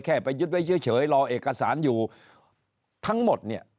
ไปยึดไว้เฉยรอเอกสารอยู่ทั้งหมดเนี่ย